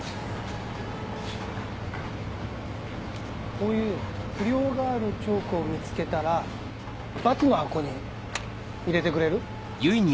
こういう不良があるチョークを見つけたらバツの箱に入れてくれる？